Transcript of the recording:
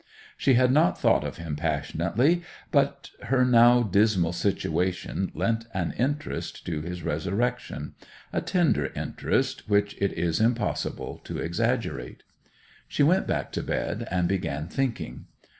She had not thought of him passionately, but her now dismal situation lent an interest to his resurrection—a tender interest which it is impossible to exaggerate. She went back to bed, and began thinking.